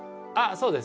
そうです